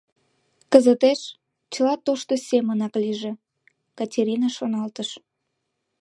Кызытеш чыла тошто семынак лийже, — Катерина шоналтыш.